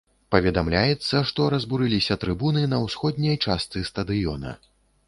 Паведамляецца, што разбурыліся трыбуны на ўсходняй частцы стадыёна.